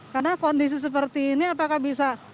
karena kondisi seperti ini apakah bisa